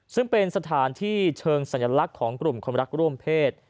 ซึ่งเป็นสถานที่เชิงสัญลักษณ์ของกลุ่มคนรักร่วมเพศ